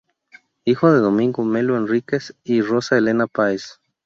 Hijo de Domingo Melo Henriquez y Rosa Elena Páez.